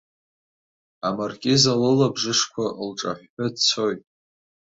Амаркиза лылабжышқәа лҿаҳәҳәы дцоит.